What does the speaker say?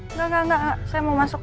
enggak enggak saya mau masuk